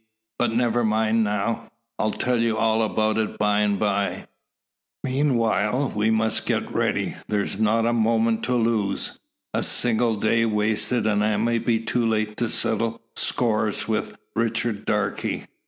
But never mind now. I'll tell you all about it by and by. Meanwhile we must get ready. There's not a moment to lose. A single day wasted, and I may be too late to settle scores with Richard Darke.